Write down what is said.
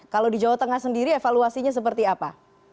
kalau di jawa tengah sendiri evaluasinya seperti apa